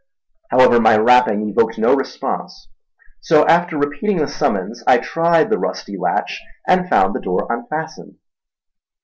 However, my rapping evoked no response, so after repeating the summons I tried the rusty latch and found the door unfastened.